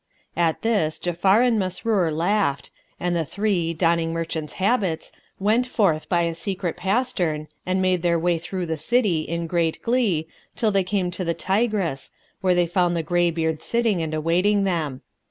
At this, Ja'afar and Masrur laughed, and the three, donning merchants' habits, went forth by a secret pastern and made their way through the city, in great glee, till they came to the Tigris, where they found the graybeard sitting and awaiting them.